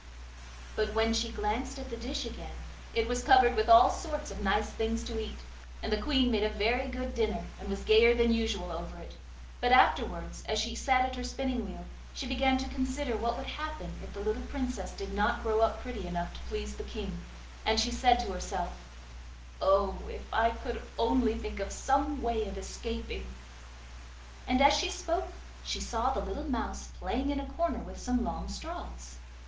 But when she glanced at the dish again it was covered with all sorts of nice things to eat, and the Queen made a very good dinner, and was gayer than usual over it. But afterwards as she sat at her spinning wheel she began to consider what would happen if the little Princess did not grow up pretty enough to please the King, and she said to herself: 'Oh! if I could only think of some way of escaping.' As she spoke she saw the little mouse playing in a corner with some long straws.